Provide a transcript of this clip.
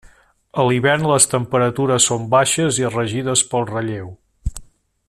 A l'hivern les temperatures són baixes i regides pel relleu.